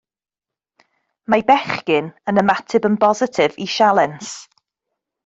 Mae bechgyn yn ymateb yn bositif i sialens